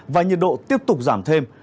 và nhiệt độ tiếp tục giảm thêm